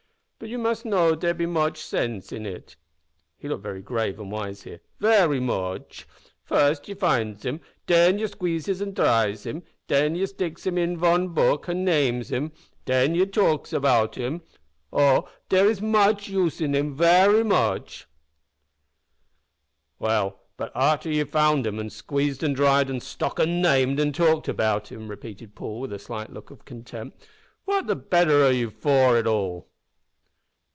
But you mus' know dere be moche sense in it," (he looked very grave and wise here) "very moche. First, ye finds him; den ye squeezes an' dries him; den ye sticks him in von book, an' names him; den ye talks about him; oh! dere is moche use in him, very moche!" "Well, but arter you've found, an' squeezed, an' dried, an' stuck, an' named, an' talked about him," repeated Paul, with a slight look of contempt, "what the better are ye for it all?"